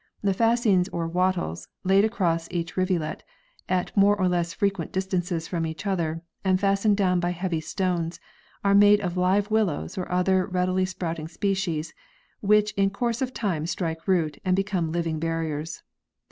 The fascines or wattles, laid across each rivulet at more or less frequent distances from each other and fastened down by heavy stones, are made of live willows or other readily sprouting species, which in course of time strike root and become living barriers.